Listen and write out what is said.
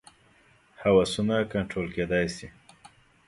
هوسونه کنټرول کېدای شي.